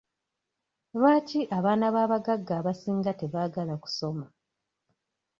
Lwaki abaana b'abagagga abasinga tebaagala kusoma?